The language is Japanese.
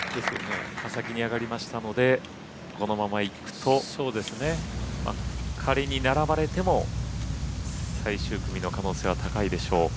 先に上がりましたのでこのままいくと仮に並ばれても最終組の可能性は高いでしょう。